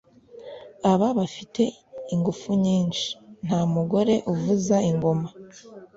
aba afite ingufu nyinshi, nta mugore uvuza ingoma.